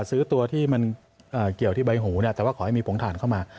ซื้อตัวที่มันเกี่ยวที่ใบหูเนี่ยแต่ว่าขอให้มีผงถ่านเข้ามา